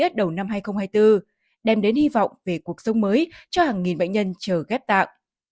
điểm nhấn vô cùng ý nghĩa đầu năm hai nghìn hai mươi bốn đem đến hy vọng về cuộc sống mới cho hàng nghìn bệnh nhân chờ ghép tạng